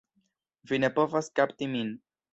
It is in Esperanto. Vi ne povas kapti min!